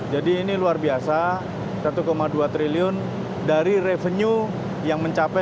jadi ini luar biasa satu dua triliun dari revenue yang mencapai dua belas